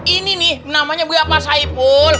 ini nih namanya buat mas haiful